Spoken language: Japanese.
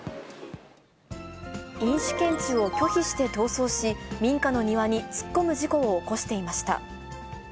飲酒検知を拒否して逃走し、民家の庭に突っ込む事故を起こしていました。